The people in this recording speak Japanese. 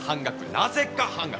なぜか半額！